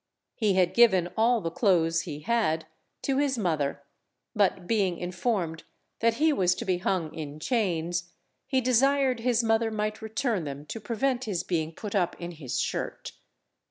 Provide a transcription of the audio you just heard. He had given all the clothes he had to his mother, but being informed that he was to be hung in chains, he desired his mother might return them to prevent his being put up in his shirt.